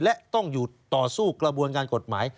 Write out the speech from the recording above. และต้องอยู่ต่อสู้กระบวนการกฎหมาย